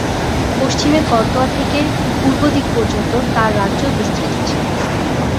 পশ্চিমে করতোয়া থেকে পূর্বে দিক পর্যন্ত তার রাজ্য বিস্তৃত ছিল।